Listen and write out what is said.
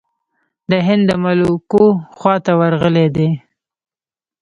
د هند د ملوکو خواته ورغلی دی.